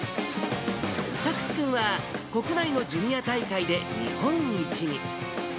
拓志君は国内のジュニア大会で日本一に。